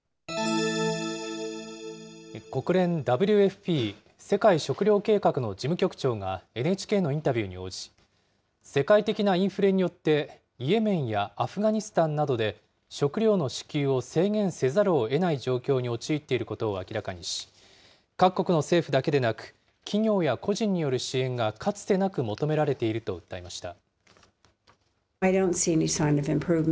国連ＷＦＰ・世界食糧計画の事務局長がＮＨＫのインタビューに応じ、世界的なインフレによってイエメンやアフガニスタンなどで食料の支給を制限せざるをえない状況に陥っていることを明らかにし、各国の政府だけでなく、企業や個人による支援がかつてなく求められていると訴えました。